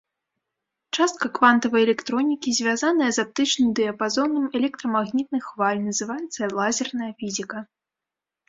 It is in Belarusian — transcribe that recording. Частка квантавай электронікі, звязаная з аптычным дыяпазонам электрамагнітных хваль, называецца лазерная фізіка.